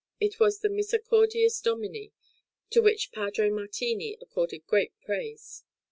It was the "Misericordias Domini," to which Padre Martini accorded great praise.